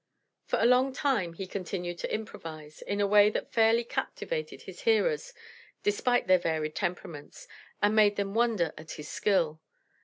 For a long time he continued to improvise, in a way that fairly captivated his hearers, despite their varied temperaments, and made them wonder at his skill.